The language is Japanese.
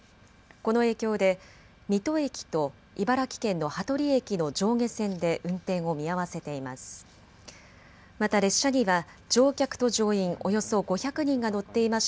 この影響で水戸駅と茨城県の羽鳥駅の上下線で運転を見合わせています。